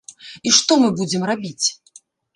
І што мы будзем рабіць?